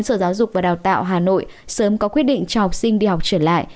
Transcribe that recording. sở giáo dục và đào tạo hà nội sớm có quyết định cho học sinh đi học trở lại